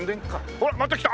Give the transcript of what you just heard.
ほらっまた来た！